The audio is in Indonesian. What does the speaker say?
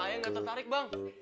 ayah gak tertarik bang